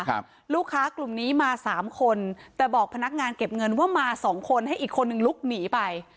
ครับลูกค้ากลุ่มนี้มาสามคนแต่บอกพนักงานเก็บเงินว่ามาสองคนให้อีกคนนึงลุกหนีไป